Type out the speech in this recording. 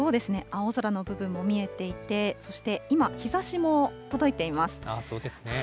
青空の部分も見えていて、そして、今、日ざしも届いています。